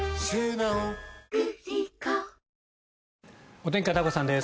お天気、片岡さんです。